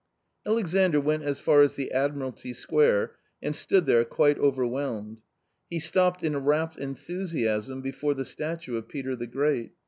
Alexandr went as far as the Admiralty Square, and stood there quite overwhelmed. He stopped in rapt enthusiasm before the statue of Peter the Great.